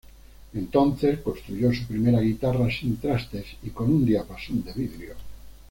Entonces construyó su primera guitarra sin trastes y con un diapasón de vidrio.